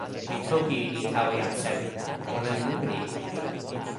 mi toki e ni tawa jan sewi: ona li luka e mi.